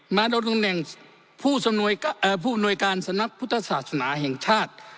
ดำตำแหน่งผู้อำนวยการสำนักพุทธศาสนาแห่งชาติ